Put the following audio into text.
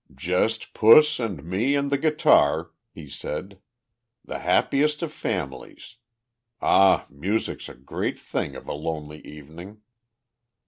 "Just puss and me and the guitar," he said. "The happiest of families. Ah! Music's a great thing of a lonely evening."